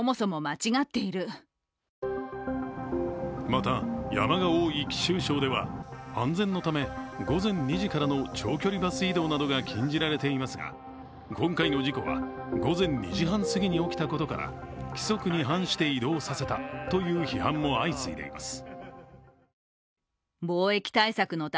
また、山が多い貴州省では安全のため午前２時からの長距離バス移動などが禁じられていますが今回の事故は、午前２時半すぎに起きたことから規則に反して移動させたという批判も相次いでいます。